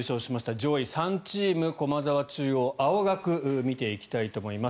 上位３チーム、駒澤、中央、青学見ていきたいと思います。